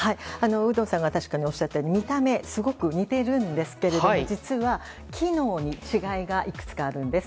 有働さんがおっしゃったように見た目は確かに似ているんですが実は、機能に違いがいくつかあるんです。